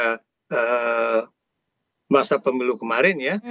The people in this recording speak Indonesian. yang dikenal pada masa pemilu kemarin ya